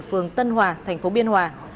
phường tân hòa tp biên hòa